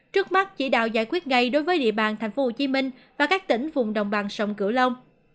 trước mắt chỉ đạo giải quyết ngay đối với địa bàn tp hcm và các tỉnh vùng đồng bằng sông cửu long